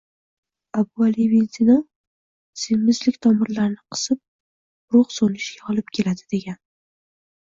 Abu Ali ibn Sino: “Semizlik tomirlarni qisib, ruh so‘nishiga olib keladi”, degan.